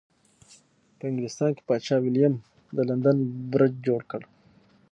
په انګلستان کې پادشاه ویلیم د لندن برج جوړ کړ.